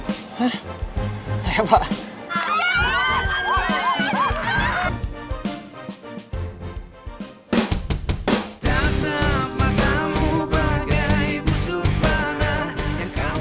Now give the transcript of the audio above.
hah saya pak